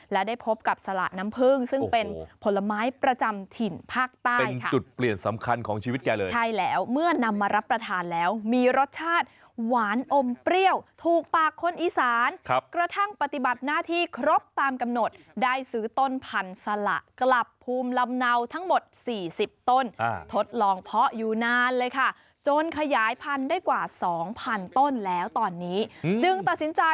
และได้พบกับสละน้ำพื้งซึ่งเป็นผลไม้ประจำถิ่นภาคใต้ค่ะเป็นจุดเปลี่ยนสำคัญของชีวิตแกเลยใช่แล้วเมื่อนำมารับประทานแล้วมีรสชาติหวานอมเปรี้ยวถูกปากคนอีสานครับกระทั่งปฏิบัติหน้าที่ครบตามกำหนดได้ซื้อต้นพันธุ์สละกลับภูมิลำเนาทั้งหมด๔๐ต้นทดลองเพราะอยู่นานเลยค่ะจนขยายพันธ